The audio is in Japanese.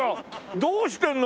どうしてるの？